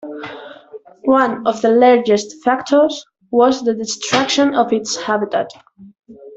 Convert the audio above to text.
One of the largest factors was the destruction of its habitat.